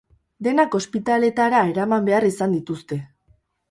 Denak ospitaletara eraman behar izan dituzte.